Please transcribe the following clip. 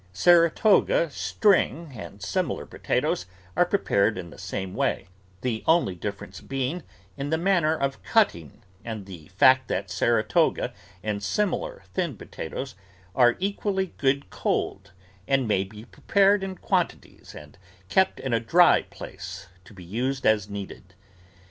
Saratoga, string, and similar potatoes are pre pared in the same way, the only difference being ROOT VEGETABLES in the manner of cutting and the fact that Sara toga and similar thin potatoes are equally good cold and may be prepared in quantities and kept in a dry place to be used as needed.